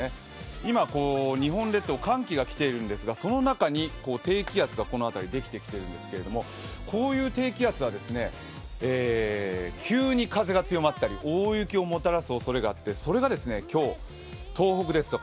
今、日本列島、寒気が来ているんですが、その中に低気圧がこの辺り、できてきてるんですけれども、こういう低気圧は急に風が強まったり、大雪をもたらすおそれがあってそれが今日、東北ですとか